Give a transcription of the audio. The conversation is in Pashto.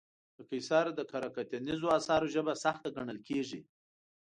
د قیصر د کره کتنیزو اثارو ژبه سخته ګڼل کېږي.